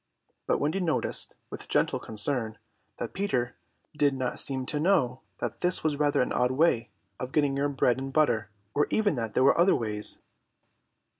But Wendy noticed with gentle concern that Peter did not seem to know that this was rather an odd way of getting your bread and butter, nor even that there are other ways.